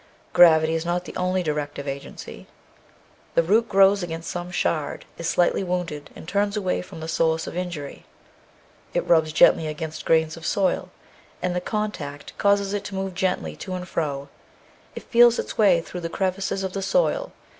Gravity is not the only directive agency. The root grows against some shard, is slightly wounded, and turns away from the source of injury. It rubs gently against grains of soil, and the contact causes it to move gently to and fro; it feels its way through the crevices of the soil.